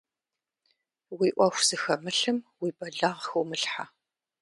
Уи ӏуэху зыхэмылъым уи бэлагъ хыумылъхьэ.